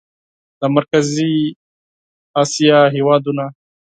د مرکزي اسیا هېوادونه